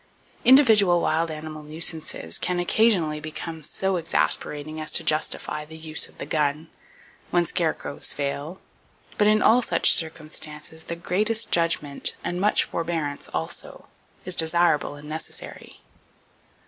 Individual wild animal nuisances can occasionally become so exasperating as to justify the use of the gun,—when scarecrows fail; but in all such circumstances the greatest judgment, and much forbearance also, is desirable and necessary.